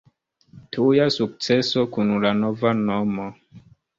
Tuja sukceso kun la nova nomo.